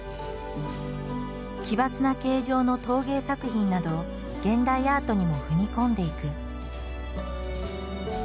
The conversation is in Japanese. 奇抜な形状の陶芸作品など現代アートにも踏み込んでいく。